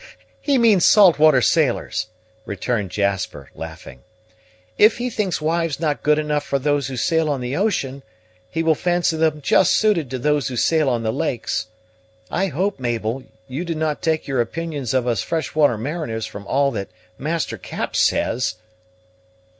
"He means salt water sailors," returned Jasper, laughing. "If he thinks wives not good enough for those who sail on the ocean, he will fancy them just suited to those who sail on the lakes. I hope, Mabel, you do not take your opinions of us fresh water mariners from all that Master Cap says."